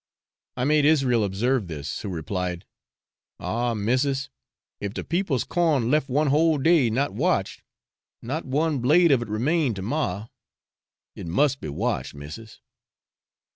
I made Israel observe this, who replied, 'Oh missis, if de people's corn left one whole day not watched, not one blade of it remain to morrow; it must be watched, missis.'